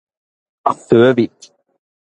S Ø V I K